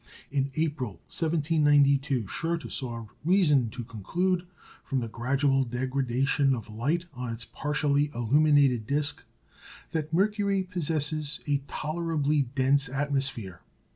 In April, 1792, Schröter saw reason to conclude, from the gradual degradation of light on its partially illuminated disc, that Mercury possesses a tolerably dense atmosphere.